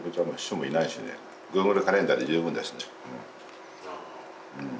グーグルカレンダーで十分だしね。